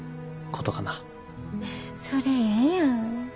それええやん。